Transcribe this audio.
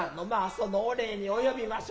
そのお礼に及びましょ。